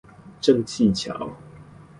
正氣橋